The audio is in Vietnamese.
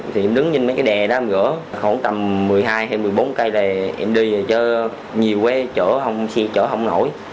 thì em đứng trên mấy cái đè đó em gỡ khoảng tầm một mươi hai hay một mươi bốn cây đè em đi cho nhiều cái xe chở không nổi